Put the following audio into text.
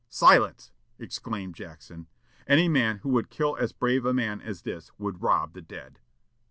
"Silence!" exclaimed Jackson. "Any man who would kill as brave a man as this would rob the dead!"